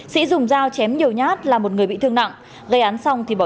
sĩ dùng dao chém nhiều nhát là một người bị thương nặng gây án xong thì bỏ